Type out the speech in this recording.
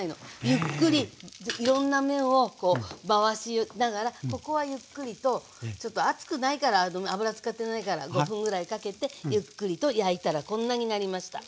ゆっくりいろんな面をこう回しながらここはゆっくりとちょっと熱くないから油使ってないから５分ぐらいかけてゆっくりと焼いたらこんなになりました。